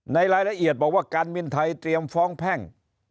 ในรายละเอียดบอกว่าการบินไทยเตรียมฟ้องแพ่ง